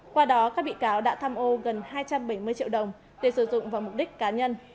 qua đó các bị cáo đã tham ô gần hai trăm bảy mươi triệu đồng để sử dụng vào mục đích cá nhân